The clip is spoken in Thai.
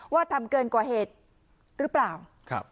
ว่าทำเกินกว่าเหตุหรือเปล่า